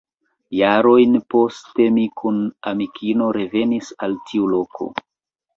Jarojn poste mi kun amikino revenis al tiu loko.